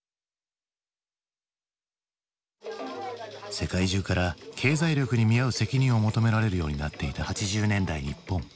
世界中から経済力に見合う責任を求められるようになっていた８０年代日本。